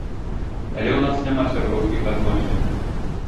Але ў нас няма сяброўскіх адносін.